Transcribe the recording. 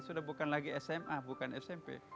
sudah bukan lagi sma bukan smp